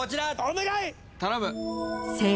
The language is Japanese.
お願い！